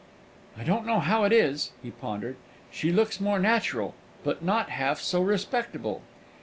"I don't know how it is," he pondered; "she looks more natural, but not half so respectable.